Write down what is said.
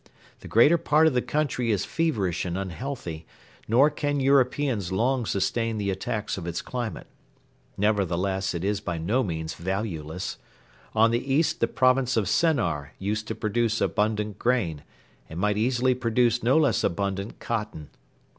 The greater part of the country is feverish and unhealthy, nor can Europeans long sustain the attacks of its climate. Nevertheless it is by no means valueless. On the east the province of Sennar used to produce abundant grain, and might easily produce no less abundant cotton.